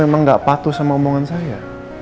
idup sih apa yang sebenarnya